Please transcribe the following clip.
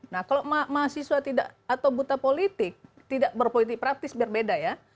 nah kalau mahasiswa tidak atau buta politik tidak berpolitik praktis berbeda ya